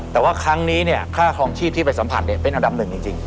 แต่ว่าครั้งนี้เนี่ยค่าคลองชีพที่ไปสัมผัสเป็นอันดับหนึ่งจริง